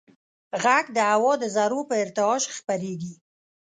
غږ د هوا د ذرّو په ارتعاش خپرېږي.